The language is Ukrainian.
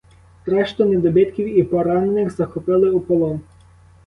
Решту недобитків і поранених захопили у полон.